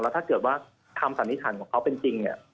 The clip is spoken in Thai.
ถ้าเกิดว่าคำสันนิษฐานของเขาเป็นจริงเนี่ย